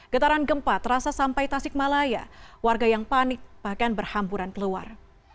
getaran gempa terasa sampai tasikmalaya warga yang panik bahkan berhamburan keluar